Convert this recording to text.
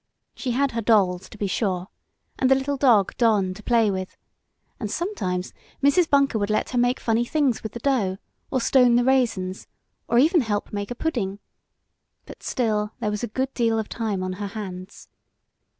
She had her dolls, to be sure, and the little dog Don, to play with, and sometimes Mrs. Bunker would let her make funny things with the dough, or stone the raisins, or even help make a pudding; but still there was a good deal of time on her hands.